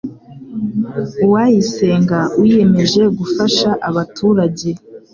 Uwayisenga wiyemeje gufasha abaturage